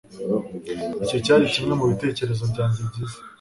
Icyo cyari kimwe mubitekerezo byanjye byiza